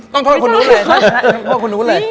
ต้องโทษคนนู้นเลยต้องโทษคนนู้นเลย